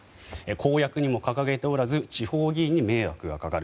公約にも掲げておらず地方議員に迷惑がかかる。